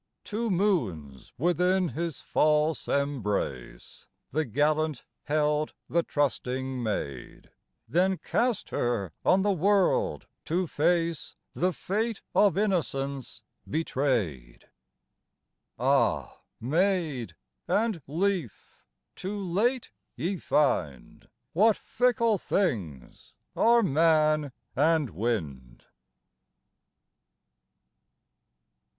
Two moons within his false embrace The gallant held the trusting maid ; Then cast her on the world, to face The fate of innocence betrayed. Ah, maid and leaf! too late ye find What fickle things are man and wind